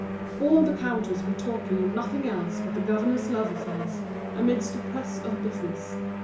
All the counters were talking of nothing else but the governor's love affairs, amidst the press of business.